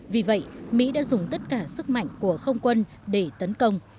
vì vậy mỹ đã dùng tất cả sức mạnh của không quân để tấn công